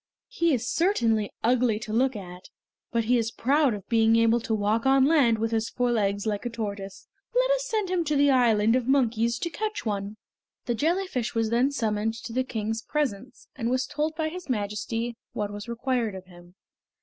He is certainly ugly to look at, but he is proud of being able to walk on land with his four legs like a tortoise. Let us send him to the Island of Monkeys to catch one." The jellyfish was then summoned to the King's presence, and was told by his Majesty what was required of him.